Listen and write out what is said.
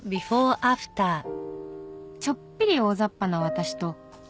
「ちょっぴり大雑把な私と」